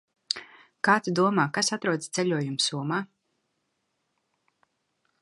Kā tu domā, kas atrodas ceļojumu somā?